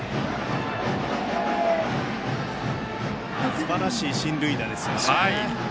すばらしい進塁打ですよね。